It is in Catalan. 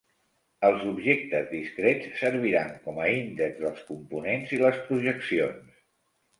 Els objectes discrets serviran com a índex dels components i les projeccions.